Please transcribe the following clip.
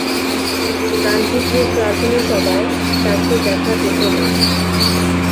গান্ধীজির প্রার্থনাসভায় তাঁকে দেখা যেত না।